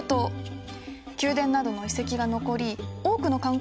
宮殿などの遺跡が残り多くの観光客が訪れます。